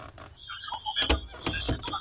سياست پوهنه يوه مهمه علمي رسته ده.